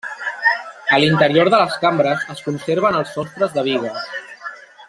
A l'interior de les cambres es conserven els sostres de bigues.